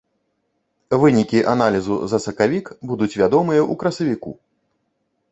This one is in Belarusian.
Вынікі аналізу за сакавік будуць вядомыя ў красавіку.